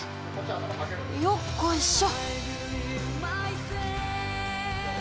よっこいしょ！